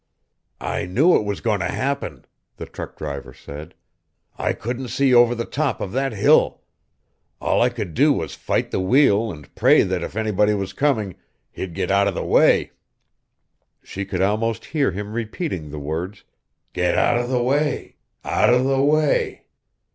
"I knew it was going to happen," the truck driver said, "I couldn't see over the top of that hill. All I could do was fight the wheel and pray that if anybody was coming, he'd get out of the way." She could almost hear him repeating the words, "Get out of the way, out of the way...."